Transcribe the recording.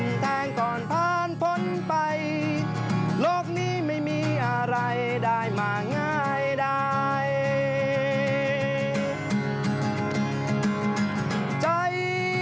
มุ่งมั่นทุนเทพเพียงใดกว่าจะได้